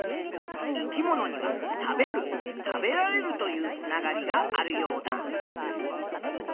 生き物には「食べる食べられる」というつながりがあるヨウダ。